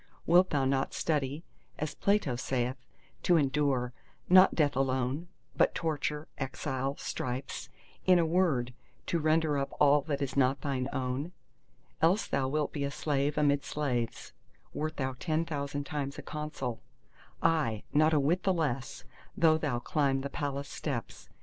Wilt thou not study, as Plato saith, to endure, not death alone, but torture, exile, stripes—in a word, to render up all that is not thine own? Else thou wilt be a slave amid slaves, wert thou ten thousand times a consul; aye, not a whit the less, though thou climb the Palace steps.